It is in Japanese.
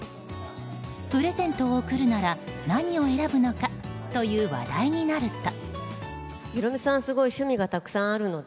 プレゼントを贈るなら何を選ぶのかという話題になると。